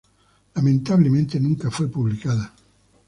Lamentablemente nunca fue publicada.